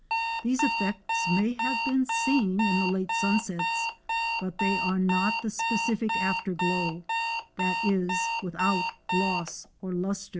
These effects may have been seen in the late sunsets, but they are not the specific after glow ; that is, without gloss or lustre.